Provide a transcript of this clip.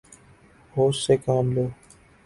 ہوش سے کام لو